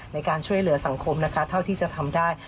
ในการช่วยเหลือสังคมนะคะเท่าที่จะทำได้